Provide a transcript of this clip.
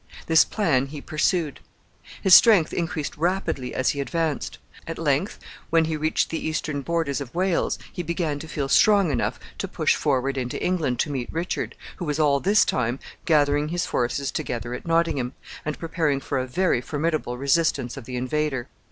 This plan he pursued. His strength increased rapidly as he advanced. At length, when he reached the eastern borders of Wales, he began to feel strong enough to push forward into England to meet Richard, who was all this time gathering his forces together at Nottingham, and preparing for a very formidable resistance of the invader.